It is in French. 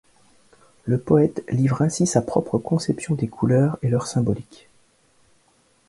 Le poète livre ainsi sa propre conception des couleurs et leur symbolique.